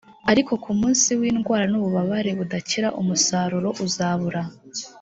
ariko ku munsi w indwara n ububabare budakira umusaruro uzabura